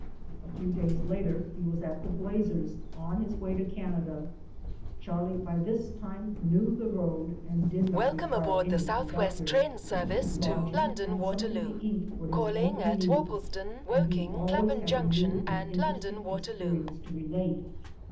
A few days later he was at the Blazers on his way to Canada. Charlie by this time knew the road and did not require any conductor. Lodging and something to eat were Vol. XV, Nos. 3 4 Underground Railroad 587 his only needs and he always had a new and interesting ex perience to relate.